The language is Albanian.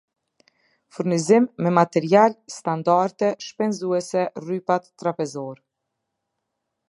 Furnizim me material standarde shpenzuese-rrypat trapezor